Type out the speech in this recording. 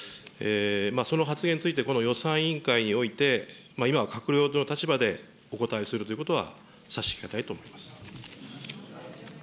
その発言について、この予算委員会において、今は閣僚という立場でお答えするということは差し控えたいと思います。